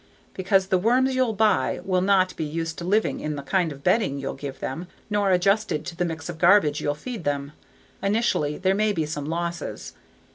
Because the worms you'll buy will not be used to living in the kind of bedding you'll give them nor adjusted to the mix of garbage you'll feed them. Initially there may be some losses.